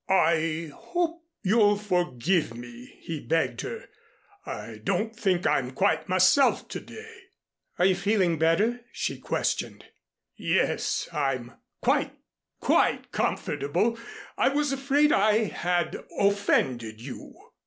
"I hope you'll forgive me," he begged her. "I don't think I'm quite myself to day." "Are you feeling better?" she questioned. "Yes, I'm quite quite comfortable. I was afraid I had offended you."